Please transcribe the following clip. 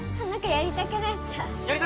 やりたくなっちゃう？